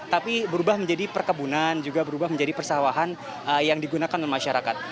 tapi berubah menjadi perkebunan juga berubah menjadi persawahan yang digunakan oleh masyarakat